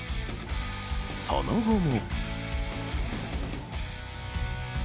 その後も。